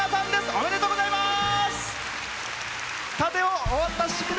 おめでとうございます。